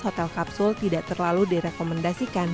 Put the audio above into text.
hotel kapsul tidak terlalu direkomendasikan